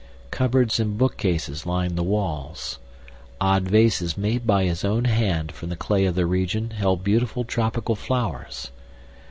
Cupboards and bookcases lined the walls. Odd vases made by his own hand from the clay of the region held beautiful tropical flowers.